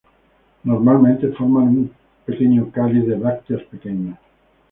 Normalmente forman un pequeño cáliz de brácteas pequeñas.